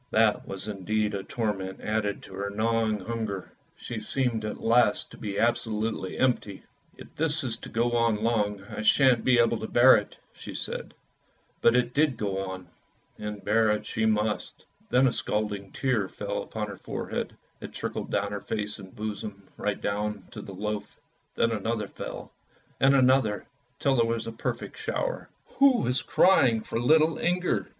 That was indeed a torment added to her gnawing hunger; she seemed at last to be absolutely empty. " If this is to go on long I shan't be able to bear it," said she; but it did go on, and bear it she must. Then a scalding tear fell upon her forehead, it trickled over her face and bosom right down to the loaf; then another fell, and another, till there was a perfect shower. Who was crying for little Inger!